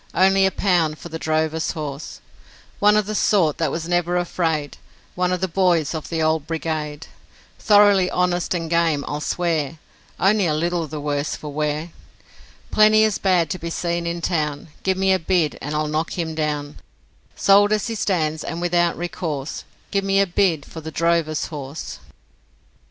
Only a pound for the drover's horse; One of the sort that was never afraid, One of the boys of the Old Brigade; Thoroughly honest and game, I'll swear, Only a little the worse for wear; Plenty as bad to be seen in town, Give me a bid and I'll knock him down; Sold as he stands, and without recourse, Give me a bid for the drover's horse.'